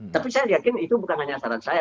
tapi saya yakin itu bukan hanya saran saya